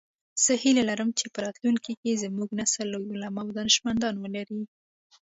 زه هیله لرم چې په راتلونکي کې زموږ نسل لوی علماء او دانشمندان ولری